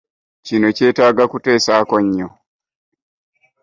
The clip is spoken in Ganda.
Kino kyetaaga kuteesaako nnyo.